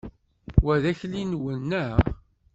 Wa d akli-nwen, naɣ?